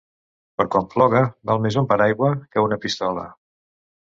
Per quan ploga, val més un paraigua que una pistola.